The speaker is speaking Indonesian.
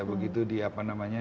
begitu di apa namanya